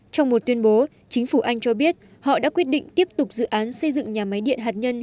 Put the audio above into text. trong một tuyên bố chính phủ anh cho biết họ đã quyết định tiếp tục dự án xây dựng nhà máy điện hạt nhân